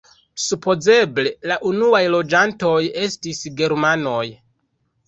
Supozeble la unuaj loĝantoj estis germanoj.